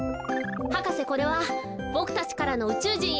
博士これはボクたちからのうちゅうじんへのプレゼントです。